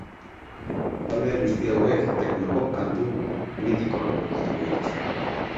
Talde guzti hauek tecnopop kantu mitikoak moldatuko dituzte.